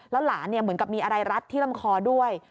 หลานเหมือนกับมีอะไรรัดที่ลำคอด้วย